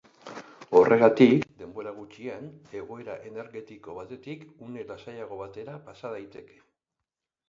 Horregatik, denbora gutxian, egoera energetiko batetik une lasaiago batera pasatu daiteke.